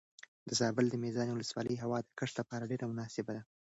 د زابل د میزانې ولسوالۍ هوا د کښت لپاره ډېره مناسبه ده.